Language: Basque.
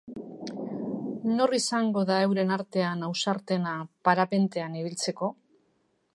Nor izango da euren artean ausartena parapentean ibiltzeko?